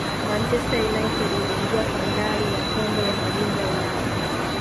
manchester united iliingia fainali ya kombe la mabingwa ulaya